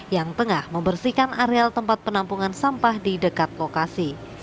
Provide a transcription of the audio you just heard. yang tengah membersihkan areal tempat penampungan sampah di dekat lokasi